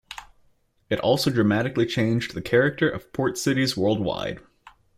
It also dramatically changed the character of port cities worldwide.